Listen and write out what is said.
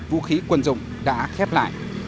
vũ khí quân dụng đã khép lại